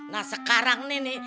nah sekarang nih nih